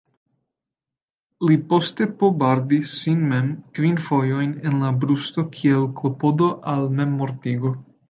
Li poste pobardis sin mem kvin fojojn en la brusto kiel klopodo al memmortigo.